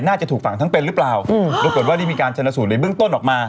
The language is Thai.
น่าจะถูกฝังทั้งเป็นหรือเปล่าปรากฏว่าได้มีการชนสูตรในเบื้องต้นออกมา